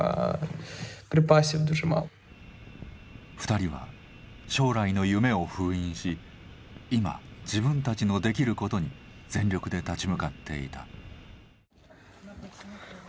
２人は将来の夢を封印し今、自分たちのできることに全力で立ち向かっていた。